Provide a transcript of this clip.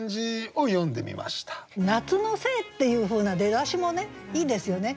「夏のせい」っていうふうな出だしもいいですよね。